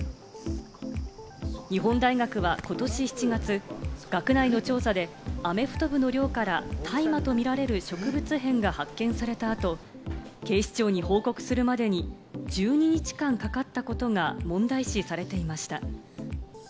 日本大学はことし７月、学内の調査でアメフト部の寮から大麻とみられる植物片が発見された後、警視庁に報告するまでに１０日間かかったことが問題視されていました。